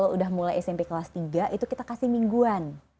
jadi mulai smp kelas tiga itu kita kasih mingguan